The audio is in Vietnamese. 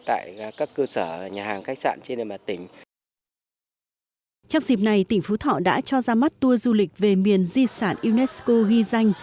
trong dịp này tỉnh phú thọ đã cho ra mắt tour du lịch về miền di sản unesco ghi danh